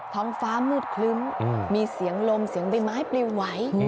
ท้องฟ้ามืดคลึ้มมีเสียงลมเสียงใบไม้ปลิวไหว